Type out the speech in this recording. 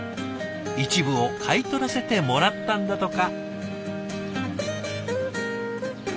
一部を買い取らせてもらったんだとか。